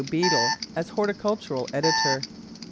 Beadle as horticultural editor.